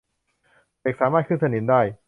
เหล็กสามารถขึ้นสนิมได้